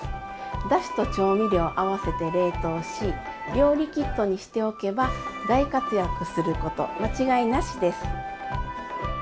だしと調味料を合わせて冷凍し料理キットにしておけば大活躍すること間違いなしです！